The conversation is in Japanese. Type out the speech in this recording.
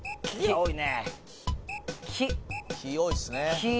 多いっすね